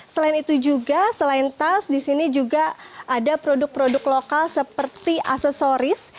selain itu juga selain tas di sini juga ada produk produk lokal seperti aksesoris